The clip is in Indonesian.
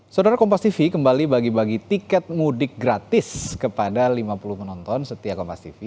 saudara kompastv kembali bagi bagi tiket mudik gratis kepada lima puluh penonton setiap kompastv